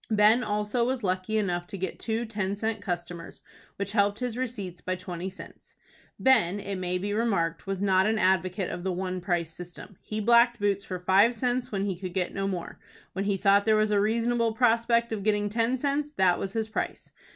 Ben also was lucky enough to get two ten cent customers, which helped his receipts by twenty cents. Ben, it may be remarked, was not an advocate of the one price system. He blacked boots for five cents when he could get no more. When he thought there was a reasonable prospect of getting ten cents, that was his price.